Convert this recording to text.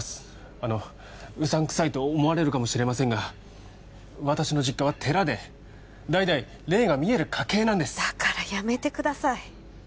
あのうさんくさいと思われるかもしれませんが私の実家は寺で代々霊が見える家系なんですだからやめてください